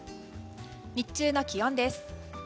日中の気温です。